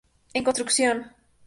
En construcción...